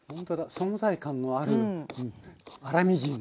存在感のある粗みじんですね。